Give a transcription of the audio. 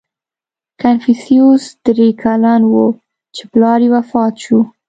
• کنفوسیوس درې کلن و، چې پلار یې وفات شو.